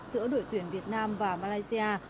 giữa đội tuyển việt nam và malaysia